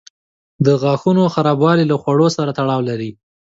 د غاښونو خرابوالی له خواړو سره تړاو لري.